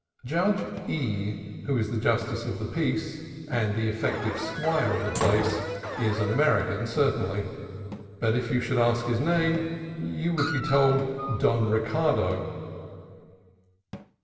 Judge E., who is the Justice of the Peace and the effective Squire of the place, is an American, certainly, but if you should ask his name you would be told, Don Ricardo.